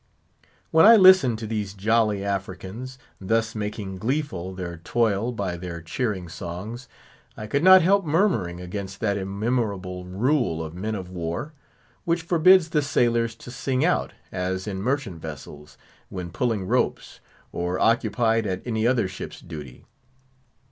When I listened to these jolly Africans, thus making gleeful their toil by their cheering songs, I could not help murmuring against that immemorial rule of men of war, which forbids the sailors to sing out, as in merchant vessels, when pulling ropes, or occupied at any other ship's duty.